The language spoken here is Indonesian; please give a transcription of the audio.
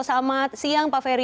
selamat siang pak ferry